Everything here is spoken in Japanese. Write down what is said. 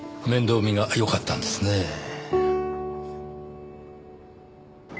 面倒見がよかったんですねぇ。